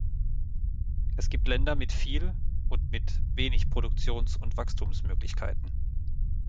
Es gibt Länder mit viel und mit wenig Produktions- und Wachstumsmöglichkeiten.